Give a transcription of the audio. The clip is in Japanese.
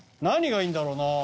何がいいんだろうな。